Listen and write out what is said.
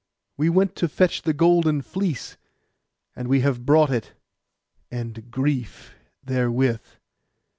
We went to fetch the golden fleece, and we have brought it, and grief therewith.